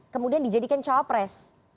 kemudian dijadikan cowok pres